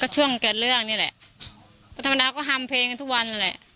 ช่วงเกิดเรื่องนี่แหละก็ธรรมดาก็ฮัมเพลงกันทุกวันนั่นแหละ